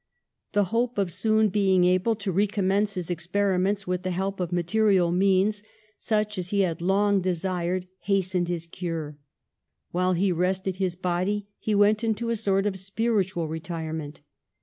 The hope of soon being able to recommence his experiments with the help of material means such as he had long desired hastened his cure. While he rested his body he went into a sort of spiritual retire ment.